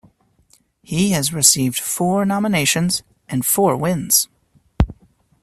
He has received four nominations and four wins.